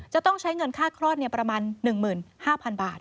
จะต้องใช้เงินค่าคลอดประมาณ๑๕๐๐๐บาท